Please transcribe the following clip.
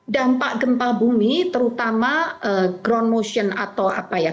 dampak gempa bumi terutama ground motion atau apa ya